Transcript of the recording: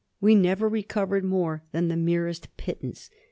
We never recovered more than the merest pittance....